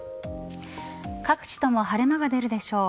各地とも晴れ間が出るでしょう。